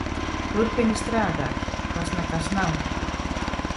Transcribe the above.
Turpini strādāt. Tas nekas nav.